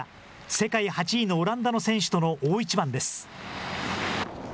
世界８位のオランダの選手との大一番です。